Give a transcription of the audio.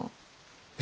え？